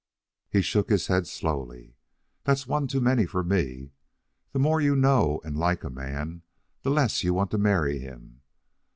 He shook his head slowly. "That's one too many for me. The more you know and like a man the less you want to marry him.